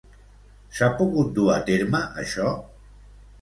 S'ha pogut dur a terme això?